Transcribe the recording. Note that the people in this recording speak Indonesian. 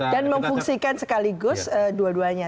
dan memfungsikan sekaligus dua duanya